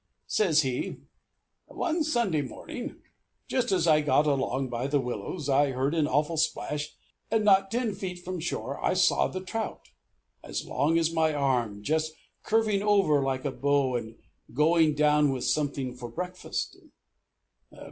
Says he: "One Sunday morning, just as I got along by the willows, I heard an awful splash, and not ten feet from shore I saw the trout, as long as my arm, just curving over like a bow and going down with something for breakfast.